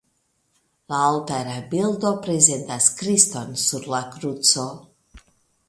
La altara bildo prezentas Kriston sur la kruco.